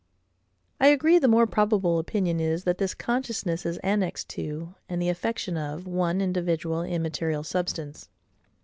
I agree, the more probable opinion is, that this consciousness is annexed to, and the affection of, one individual immaterial substance.